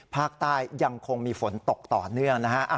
ภาคใต้ยังคงมีฝนตกต่อเนื่องนะฮะ